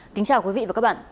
kính chào quý vị và các bạn